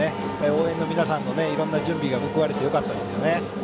応援の皆さんのいろいろな準備が報われてよかったですね。